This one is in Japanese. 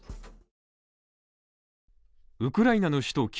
ウクライナの首都